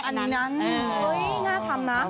ไปนำกันอยู่เปล่าฮะ